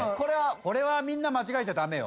これはみんな間違えちゃダメよ